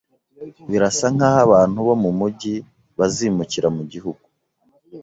Birasa nkaho abantu bo mumujyi bazimukira mugihugu.